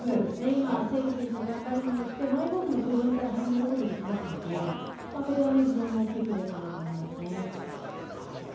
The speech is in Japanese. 今、清家選手の頑張りでマイボールのスローインで始めることができますのでこれは非常に大きいプレーかなと思います。